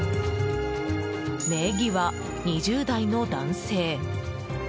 名義は２０代の男性。